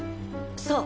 そう！